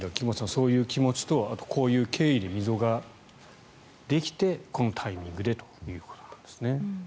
そういう気持ちとあと、こういう経緯で溝ができてこのタイミングでということなんですね。